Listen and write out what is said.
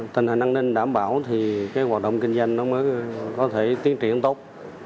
tình hình an ninh đảm bảo thì cái hoạt động kinh doanh nó mới có thể tiến triển tốt